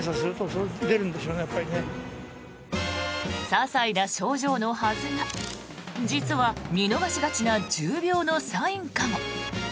ささいな症状のはずが実は見逃しがちな重病のサインかも。